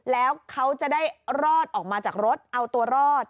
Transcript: แล้วเขาจะได้รอดออกมาจากรถเอาตัวรอด